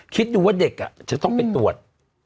คิดดูว่าเด็กจะต้องไปตรวจ